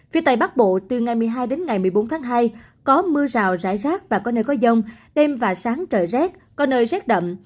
phía tây bắc bộ từ ngày một mươi hai đến ngày một mươi bốn tháng hai có mưa rào rải rác và có nơi có dông đêm và sáng trời rét có nơi rét đậm